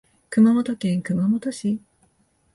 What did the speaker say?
熊本県熊本市